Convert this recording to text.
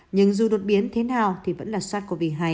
nhưng dù đột biến thế nào thì vẫn là sars cov hai